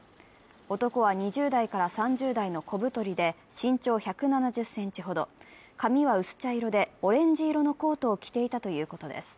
男は、２０代から３０代の小太りで身長１７０ｃｍほど、髪は薄茶色でオレンジ色のコートを着ていたということです。